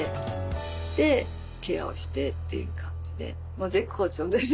もう絶好調です。